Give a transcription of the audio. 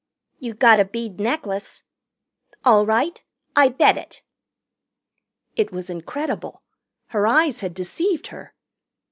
"You gotta bead necklace." "All right. I bet it." It was incredible. Her eyes had deceived her.